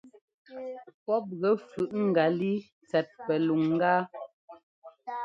Pɔ́p gɛ fʉꞌ ŋgalíi tsɛt pɛluŋgá.